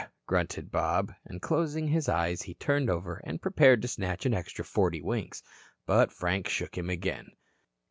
grunted Bob, and closing his eyes he turned over and prepared to snatch an extra forty winks. But Frank shook him again.